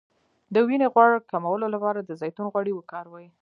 د وینې غوړ کمولو لپاره د زیتون غوړي وکاروئ